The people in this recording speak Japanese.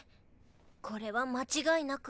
これは間違いなく。